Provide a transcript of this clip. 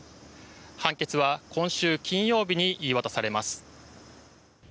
判決は今週金曜日に言い渡されます。